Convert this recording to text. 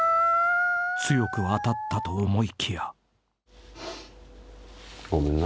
［強く当たったと思いきや］